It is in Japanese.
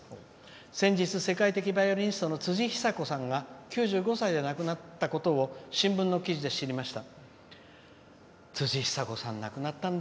先日、世界的バイオリニストの辻久子さんが９５歳で亡くなったことを新聞の記事で知りました。